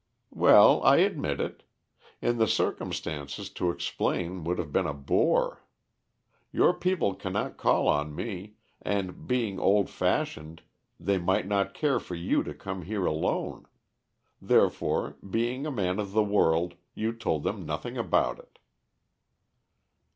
"Well, I admit it. In the circumstances to explain would have been a bore. Your people cannot call on me and, being old fashioned, they might not care for you to come here alone. Therefore, being a man of the world, you told them nothing about it."